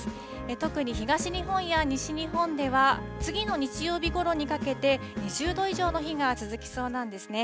特に東日本や西日本では、次の日曜日ごろにかけて、２０度以上の日が続きそうなんですね。